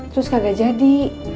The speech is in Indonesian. terus kagak jadi